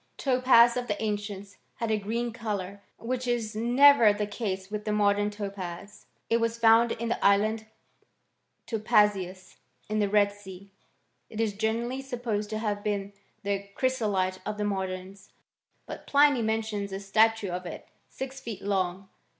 Topaz of the ancients had a green colour , which is never the case with the modem topaz. It was found in the island Topazios, in the Red Sea.* It is generztlly supposed to have been the chrysolite of tlie modems. But Pliny mentions a statue of it six feet long.